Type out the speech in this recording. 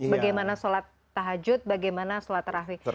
bagaimana sholat tahajud bagaimana sholat terawih